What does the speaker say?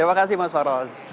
terima kasih mas faros